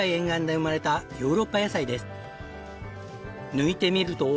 抜いてみると。